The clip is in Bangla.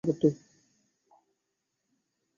মনরূপ মহাসমুদ্রে ঐগুলি যেন ক্ষুদ্র ক্ষুদ্র আবর্ত।